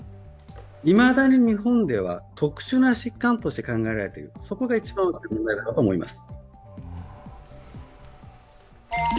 いまだに日本では特殊な疾患として考えられている、そこが一番問題だと思います。